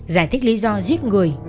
giải thích lý do giết người